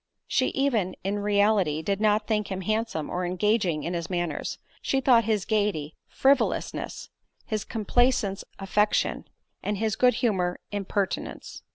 She even, and in reality, did not think him handsome or engaging in his manners—she thought his gaiety frivolousness, his complaisance affectation, and his good humour impertinence.